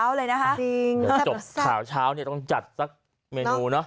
ยั่วน้ำลายกันตั้งแต่เช้าเลยนะฮะจบเช้าเช้าเนี้ยต้องจัดสักเมนูเนอะ